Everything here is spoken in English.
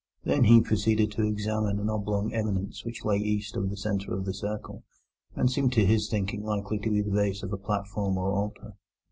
Then he proceeded to examine an oblong eminence which lay east of the centre of the circle, and seemed to his thinking likely to be the base of a platform or altar.